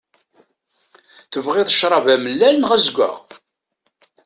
Tebɣiḍ crab amellal neɣ azeggaɣ?